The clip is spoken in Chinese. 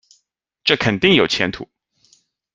这肯定有前途